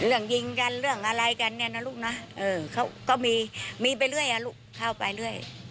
เออเขาก็มีมีไปเรื่อยล่ะลูกเข้าไปเรื่อย